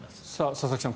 佐々木さん